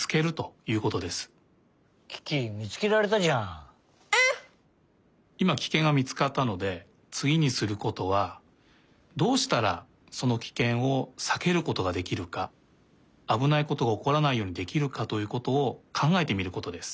いまキケンがみつかったのでつぎにすることはどうしたらそのキケンをさけることができるかあぶないことがおこらないようにできるかということをかんがえてみることです。